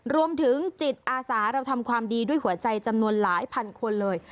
รวมถึงจิตอาสาเราทำความดีด้วยหัวใจจำนวนหลายพันคนเลย